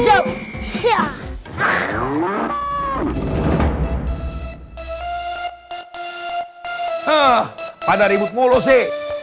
hah pada ributmu lo sih